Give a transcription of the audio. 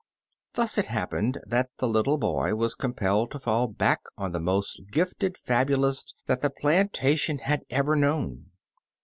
Thus it happened that the little boy was compelled to fall back on the most gifted fabulist that the plantation had ever known.